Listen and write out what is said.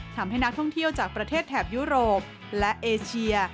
ทำให้นักท่องเที่ยวจากประเทศแถบยุโรปและเอเชีย